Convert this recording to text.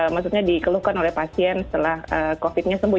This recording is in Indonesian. maksudnya dikeluhkan oleh pasien setelah covid nya sembuh